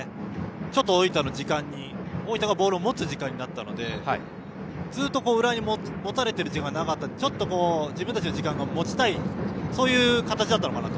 ちょっと大分がボールを持つ時間になったのでずっと浦和に持たれている時間が長かったのでちょっと、自分たちの時間を持ちたい形だったのかなと。